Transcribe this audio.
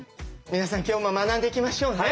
皆さん今日も学んでいきましょうね。